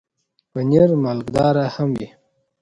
پنېر مالګهدار هم وي.